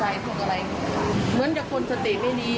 บอกไม่ถูกหรอกพ่อเขาไม่ได้ไอ้นี่มิจริงจะเดินผ่านให้เฉยผ่านมาเลิศไป